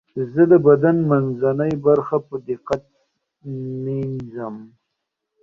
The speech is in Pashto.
زه د بدن منځنۍ برخه په دقت مینځم.